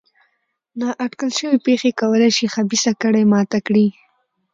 نا اټکل شوې پېښې کولای شي خبیثه کړۍ ماته کړي.